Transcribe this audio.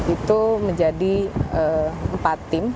itu menjadi empat tim